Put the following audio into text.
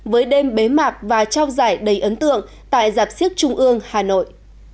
với đêm bế mạc và trao giải đầy ấn tượng tại giạp siếc trung ương hà nội